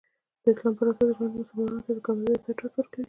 د اسلام پراساس ژوند مسلمانانو ته د کامیابي او عزت ډاډ ورکوي.